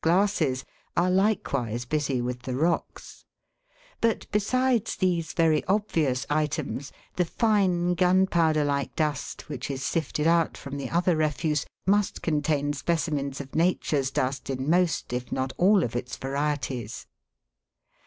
glasses are likewise busy with the rocks ; but, besides these very obvious items, the fine gunpowder like dust, which is sifted out from the other refuse, must contain specimens of Nature's dust in most, if not all, of its varieties.